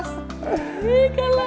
saya kembali dulu ya